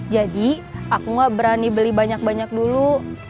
jadi aku gak berani beli banyak banyak dulu